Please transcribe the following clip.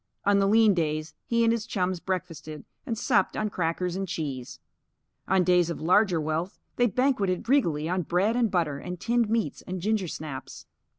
On the lean days he and his chums breakfasted and supped on crackers and cheese. On days of larger wealth they banqueted regally on bread and butter and tinned meats and ginger snaps.